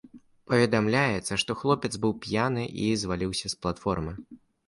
Паведамляецца, што хлопец быў п'яны і зваліўся з платформы.